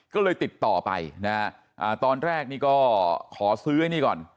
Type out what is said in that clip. ก็เลยติดต่อไปนะฮะตอนแรกนี่ก็ขอซื้อไอ้นี่ก่อน